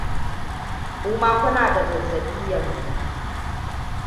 kuma kuna da zazzabi yanzu